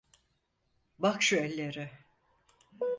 Bak şu ellere…